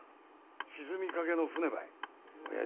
沈みかけの船ばい。